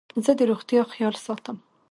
زه د روغتیا خیال ساتم.